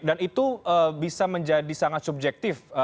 dan itu bisa menjadi sangat subjektif